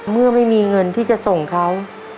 เมื่อไม่มีเงินที่จะส่งเขา